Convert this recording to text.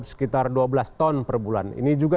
sekitar dua belas ton per bulan ini juga